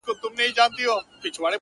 د ژوند تڼاکي سولوم په سرابي مزلونو -